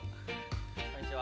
こんにちは。